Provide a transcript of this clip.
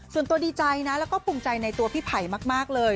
ส่วนตัวดีใจนะแล้วก็ภูมิใจในตัวพี่ไผ่มากเลย